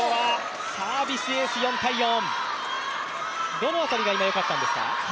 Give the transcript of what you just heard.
どのあたりが今よかったんですか？